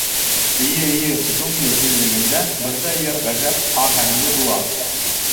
Эйе, эйе, джунгли һиллегендә бындай «йыр» ғәжәп аһәңле була.